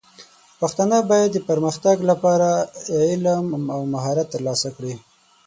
پښتانه بايد د پرمختګ لپاره علم او مهارت ترلاسه کړي.